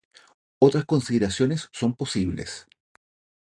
Otras consideraciones son posibles.